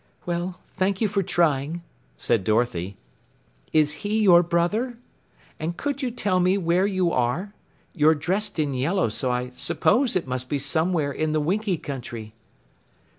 "Well, thank you for trying," said Dorothy. "Is he your brother? And could you tell me where you are? You're dressed in yellow, so I 'spose it must be somewhere in the Winkie Country."